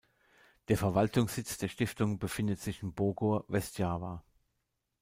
Der Verwaltungssitz der Stiftung befindet sich in Bogor, Westjava.